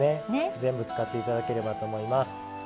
全部使って頂ければと思います。